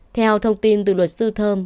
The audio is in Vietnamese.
theo thông tin từ luật sư thơm